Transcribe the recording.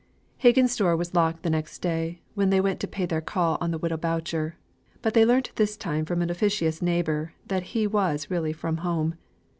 Higgins's door was locked the next day, when they went to pay their call on the widow Boucher: but they learnt this time from an officious neighbour, that he was really from home.